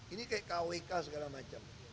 ini kayak kwk segala macam